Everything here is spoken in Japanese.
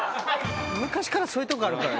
昔からそういうとこあるから。